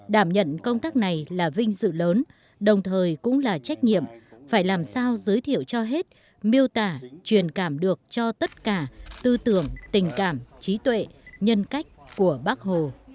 đảm nhận công tác này là vinh dự lớn đồng thời cũng là trách nhiệm phải làm sao giới thiệu cho hết miêu tả truyền cảm được cho tất cả tư tưởng tình cảm trí tuệ nhân cách của bác hồ